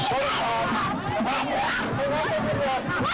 ขอบคุณครับขอบคุณครับ